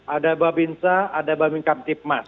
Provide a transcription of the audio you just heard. ada babinsa ada babingkab tipmas